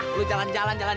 mau aja aman jalan jalan